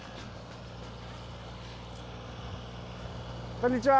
こんにちは！